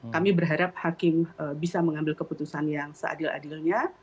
kami berharap hakim bisa mengambil keputusan yang seadil adilnya